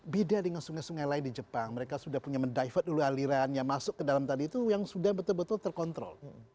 beda dengan sungai sungai lain di jepang mereka sudah punya mendivert dulu aliran yang masuk ke dalam tadi itu yang sudah betul betul terkontrol